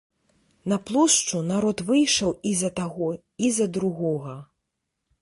На плошчу народ выйшаў і за таго, і за другога.